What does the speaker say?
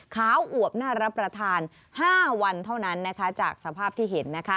ขาวอวบหน้ารับประทาน๕วันเท่านั้นจากสภาพที่เห็น